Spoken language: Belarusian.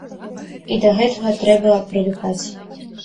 І да гэтага трэба прывыкаць.